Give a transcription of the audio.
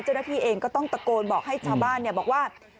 เจ้าหน้าที่เองก็ต้องตะโกนบอกให้ชาวบ้านบอกว่า